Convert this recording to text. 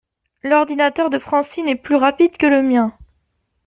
L'ordinateur de Francine est plus rapide que le mien.